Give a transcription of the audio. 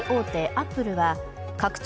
アップルは、拡張